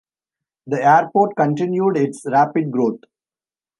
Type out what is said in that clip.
The airport continued its rapid growth.